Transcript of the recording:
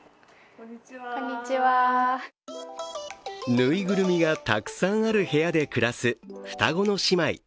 ぬいぐるみがたくさんある部屋で暮らす、双子の姉妹。